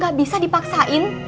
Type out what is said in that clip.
gak bisa dipaksain